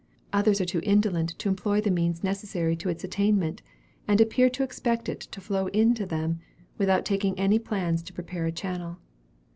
Others are too indolent to employ the means necessary to its attainment, and appear to expect it to flow in to them, without taking any pains to prepare a channel.